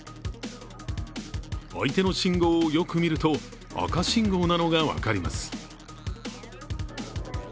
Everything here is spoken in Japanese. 相手の信号をよく見ると赤信号なのが分かります。